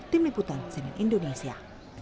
tim liputan sini indonesia